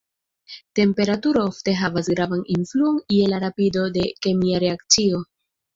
Temperaturo ofte havas gravan influon je la rapido de kemia reakcio.